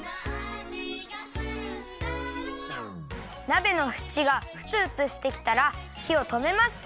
なべのふちがふつふつしてきたらひをとめます。